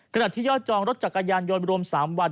ขณะที่ยอดจองรถจักรยานยนต์รวม๓วัน